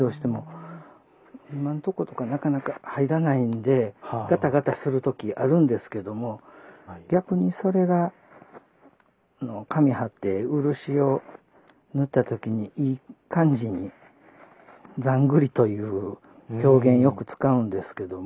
今んとことかなかなか入らないんでガタガタする時あるんですけども逆にそれが紙貼って漆を塗った時にいい感じに「ざんぐり」という表現よく使うんですけども。